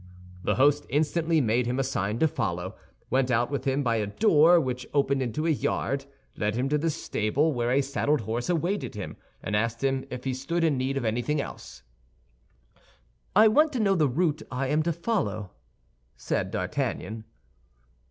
The host instantly made him a sign to follow, went out with him by a door which opened into a yard, led him to the stable, where a saddled horse awaited him, and asked him if he stood in need of anything else. "I want to know the route I am to follow," said D'Artagnan.